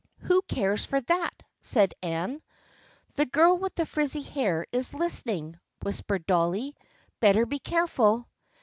" Who cares for that? " said Anne. "The girl with the frizzy hair is listening," whispered Dolly. " Better be careful